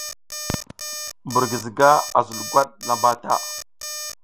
Mbur giziga a zul gwat lamba ta.